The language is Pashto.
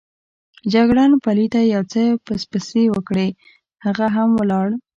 جګړن پلي ته یو څه پسپسې وکړې، هغه هم ولاړ.